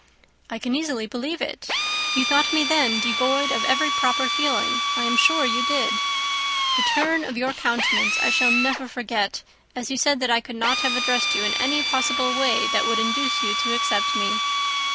"I can easily believe it. You thought me then devoid of every proper feeling, I am sure you did. The turn of your countenance I shall never forget, as you said that I could not have addressed you in any possible way that would induce you to accept me."